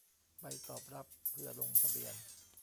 ใบตอบรับเพื่อลงทะเบียน